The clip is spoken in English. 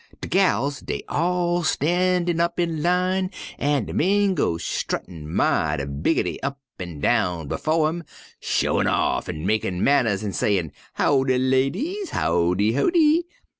De gals dey all stan' up in line an' de men go struttin' mighty biggitty up an' down befo' 'em, showin' off an' makin' manners an' sayin', 'Howdy, ladiz, howdy, howdy!'